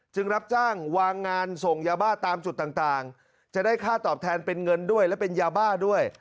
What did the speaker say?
รับจ้างวางงานส่งยาบ้าตามจุดต่างจะได้ค่าตอบแทนเป็นเงินด้วยและเป็นยาบ้าด้วย